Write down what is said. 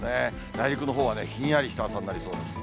内陸のほうはひんやりとした朝になりそうです。